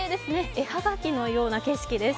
絵葉書のような景色です。